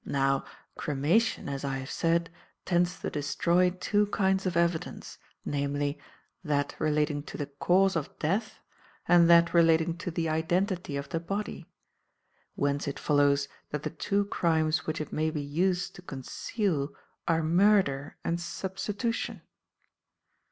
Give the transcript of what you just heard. Now, cremation, as I have said, tends to destroy two kinds of evidence, namely; that relating to the cause of death and that relating to the identity of the body; whence it follows that the two crimes which it may be used to conceal are murder and substitution.